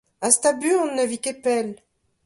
Hastañ buan, na vi ket pell.